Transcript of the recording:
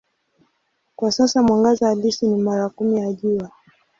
Kwa sasa mwangaza halisi ni mara kumi ya Jua.